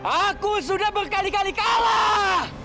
aku sudah berkali kali kalah